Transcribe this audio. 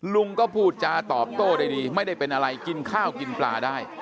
ลุงก็พูดจาตอบโต้ได้ดีไม่ได้เป็นอะไรกินข้าวกินปลาได้